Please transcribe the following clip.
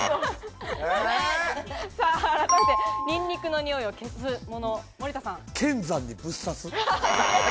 改めてニンニクのにおいを消すもの。